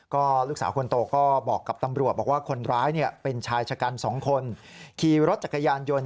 ก็ลูกสาวคนโตก็บอกกับตำรวจบอกว่าคนร้ายเป็นชายชะกันสองคนขี่รถจักรยานยนต์